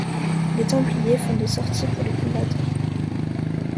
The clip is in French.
Les Templiers font des sorties pour les combattre.